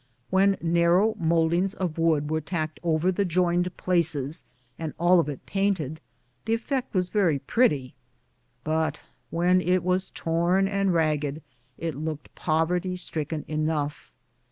When narrow mouldings of wood were tacked over the joined places, and all of it painted, the effect was very pretty. When it was torn and ragged it looked poverty stricken enough.